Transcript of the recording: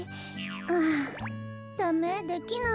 ああダメできない。